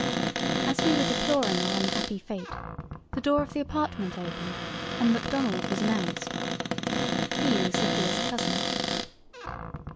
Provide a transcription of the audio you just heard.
As we were deploring our unhappy fate, the Door of the Apartment opened and "Macdonald" was announced. He was Sophia's cousin.